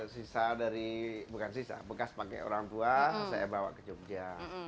sisa dari bukan sisa bekas pakai orang tua saya bawa ke jogja